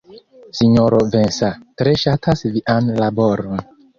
Sinjoro Vincent tre ŝatas vian laboron.